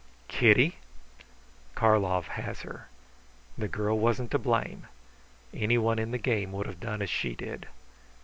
"Kitty?" "Karlov has her. The girl wasn't to blame. Any one in the game would have done as she did.